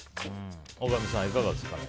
大神さん、いかがですかね？